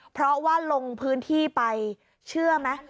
เพราะว่าลงพื้นที่ไปเชื่อไหม